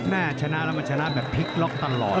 ชนะแล้วมันชนะแบบพลิกล็อกตลอด